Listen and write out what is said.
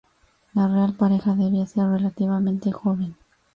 La real pareja debía ser relativamente joven.